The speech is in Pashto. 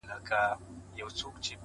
• ددې ښكلا؛